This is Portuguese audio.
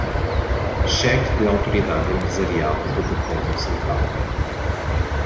Cheque de autoridade empresarial de propósito central